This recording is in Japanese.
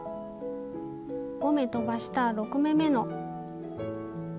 ５目飛ばした６目めの。